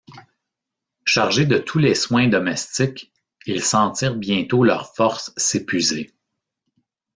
Chargés de tous les soins domestiques, ils sentirent bientôt leurs forces s’épuiser.